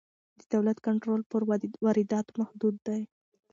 د دولت کنټرول پر وارداتو محدود دی.